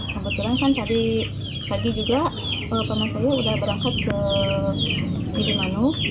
ketika kan tadi pagi juga paman saya sudah berangkat ke gede manu